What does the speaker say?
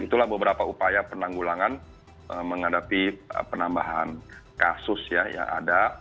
itulah beberapa upaya penanggulangan menghadapi penambahan kasus ya yang ada